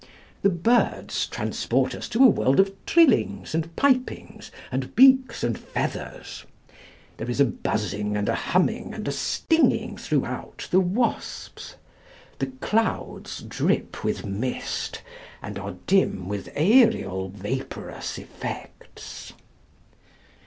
The 'Birds' transport us to a world of trillings and pipings, and beaks and feathers. There is a buzzing and a humming and a stinging throughout the 'Wasps.' The 'Clouds' drip with mist, and are dim with aërial vaporous effects.